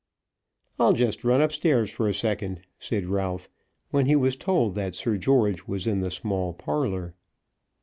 "I'll just run up stairs for a second," said Ralph, when he was told that Sir George was in the small parlour.